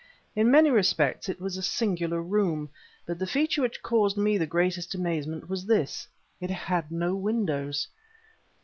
In many respects it was a singular room, but the feature which caused me the greatest amazement was this: it had no windows!